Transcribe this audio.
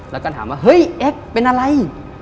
แล้วก็ถามว่าเฮ้ยเอ็กซ์เป็นอะไร